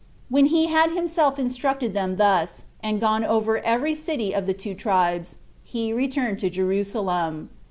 When he had himself instructed them thus, and gone over every city of the two tribes, he returned to Jerusalem.